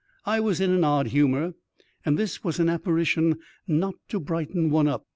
I was in an odd humour, and this was an apparition not to brighten one up.